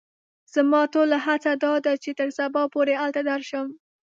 زما ټوله هڅه دا ده چې تر سبا پوري هلته درشم.